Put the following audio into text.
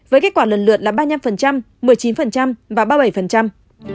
với kết quả lần lượt là ba mươi năm một mươi chín và ba mươi bảy